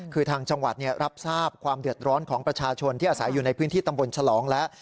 คือทางจังหวัดรับทราบความเดือดร้อนของประชาชนที่อาศัยอยู่ในพื้นที่ตำบลฉลองแล้ว